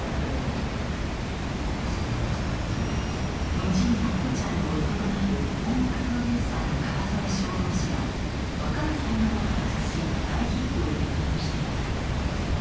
後にアッコちゃんの夫となる音楽プロデューサーの川添象郎氏は若い才能を発掘し大ヒットを連発していた。